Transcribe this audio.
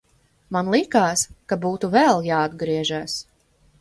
Man likās, ka būtu vēl jāatgriežas.